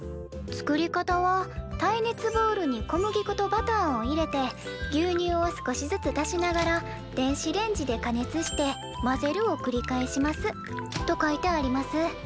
「作り方は耐熱ボウルに小麦粉とバターを入れて牛乳を少しずつ足しながら電子レンジで加熱して混ぜるをくり返します」と書いてあります。